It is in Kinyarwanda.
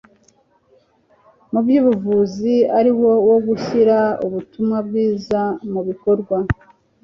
mu by'ubuvuzi ari wo wo gushyira ubutumwa bwiza mu bikorwa